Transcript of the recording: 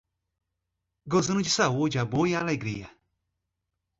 Gozando de saúde, amor e alegria